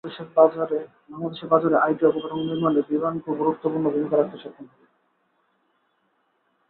বাংলাদেশের বাজারে আইটি অবকাঠামো নির্মাণে ভিভানকো গুরুত্বপূর্ণ ভূমিকা রাখতে সক্ষম হবে।